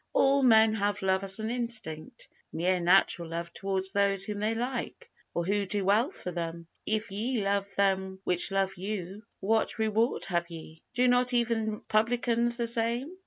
All men have love as an instinct; mere natural love towards those whom they like, or who do well for them. "If ye love them which love you, what reward have ye? do not even publicans the same?"